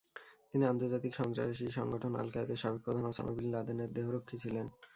তিনি আন্তর্জাতিক সন্ত্রাসী সংগঠন আল-কায়েদার সাবেক প্রধান ওসামা বিন লাদেনের দেহরক্ষী ছিলেন।